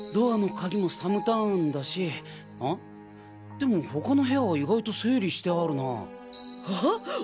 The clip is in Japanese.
でも他の部屋は意外と整理してあるな。